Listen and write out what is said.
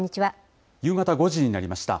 夕方５時になりました。